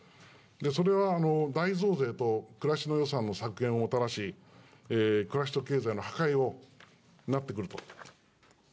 それは大増税と暮らしの予算の削減をもたらし、暮らしと経済の破壊になってくると。